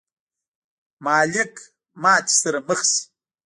مالک ماتې سره مخ شي.